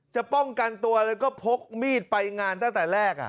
ป้องกันตัวแล้วก็พกมีดไปงานตั้งแต่แรก